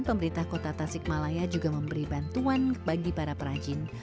pemerintah kota tasikmalaya juga memberi bantuan bagi para perajin